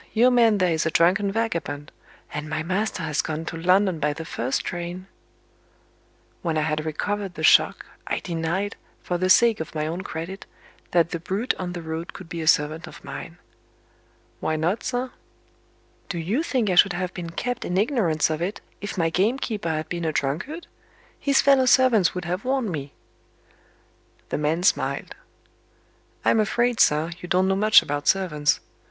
Your man there is a drunken vagabond; and my master has gone to London by the first train." When I had recovered the shock, I denied, for the sake of my own credit, that the brute on the road could be a servant of mine. "Why not, sir?" "Do you think I should have been kept in ignorance of it, if my gamekeeper had been a drunkard? His fellow servants would have warned me." The man smiled. "I'm afraid, sir, you don't know much about servants.